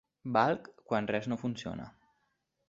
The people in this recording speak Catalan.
Valc quan res no funciona.